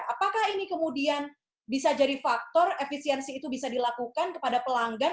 apakah ini kemudian bisa jadi faktor efisiensi itu bisa dilakukan kepada pelanggan